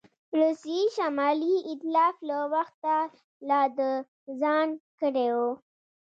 روسیې شمالي ایتلاف له وخته لا د ځان کړی وو.